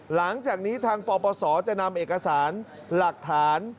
หลังจากนี้ทางปปศจะนำเอกสารหลักฐาน